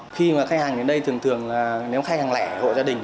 khi mà khách hàng đến đây thường thường là nếu khách hàng lẻ hộ gia đình